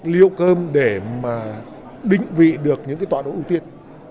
liêu cơm để mà định vị được những cái tọa độ ưu tiên